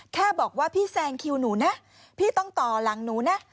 แค่บอกว่าพี่แซงคิวหนูนะพี่ต้องต่อหลังหนูนะ